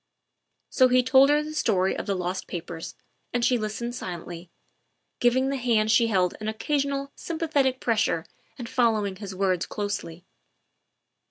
So he told her the story of the lost papers and she listened silently, giving the hand she held an occasional sympathetic pressure and following his words closely.